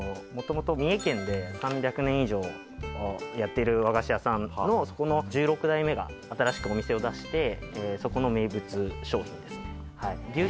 もともと三重県で３００年以上やっている和菓子屋さんのそこの１６代目が新しくお店を出してそこの名物商品ですね